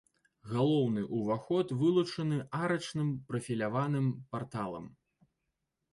Галоўны ўваход вылучаны арачным прафіляваным парталам.